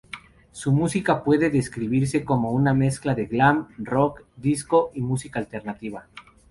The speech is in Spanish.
Su música puede describirse como una mezcla de Glam rock, Disco y música alternativa.